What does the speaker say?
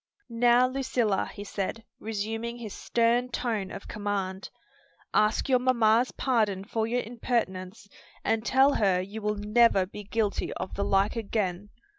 "Now, Lucilla," he said, resuming his stern tone of command, "ask your mamma's pardon for your impertinence, and tell her you will never be guilty of the like again."